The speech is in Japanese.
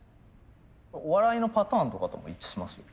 お笑いのパターンとかとも一致しますよ。